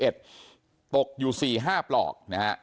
ตกอยู่๔๕ปลอก